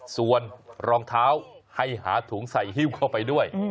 ส่วนรองเท้าให้หาถุงใส่ฮิ้วเข้าไปด้วย